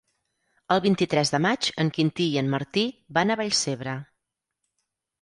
El vint-i-tres de maig en Quintí i en Martí van a Vallcebre.